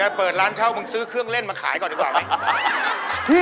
เปิดร้านเช่ามึงซื้อเครื่องเล่นมาขายก่อนดีกว่าไหม